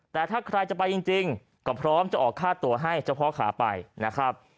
แต่ถ้าใครจะไปจริงก็พร้อมจะออกค่าตัวให้เจ้าพ่อขาไปนะครับ